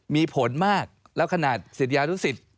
มีผลมากแล้วขนาดศิษยานุสิต